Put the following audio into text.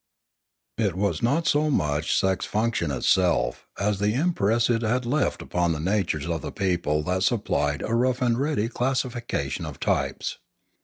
59° Limanora It was not so much sex function itself, as the im press it had left upon the natures of the people that supplied a rough and ready classification of types.